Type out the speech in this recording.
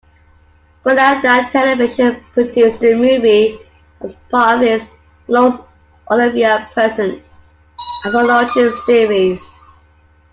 Granada Television produced the movie as part of its "Laurence Olivier Presents" anthology series.